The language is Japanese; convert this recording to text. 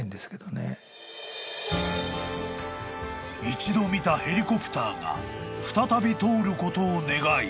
［一度見たヘリコプターが再び通ることを願い］